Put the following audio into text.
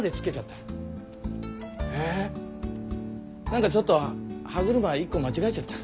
何かちょっと歯車１個間違えちゃった。